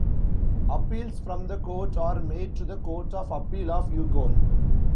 Appeals from the court are made to the Court of Appeal of Yukon.